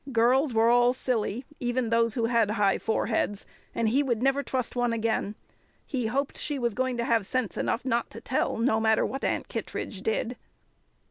Girls were all silly, even those who had high foreheads, and he would never trust one again. He hoped she was going to have sense enough not to tell, no matter what Aunt Kittredge did.